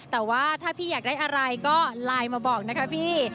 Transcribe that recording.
แต่ว่าถ้าพี่อยากได้อะไรก็ไลน์มาบอกนะคะพี่